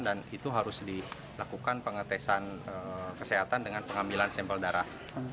itu harus dilakukan pengetesan kesehatan dengan pengambilan sampel darah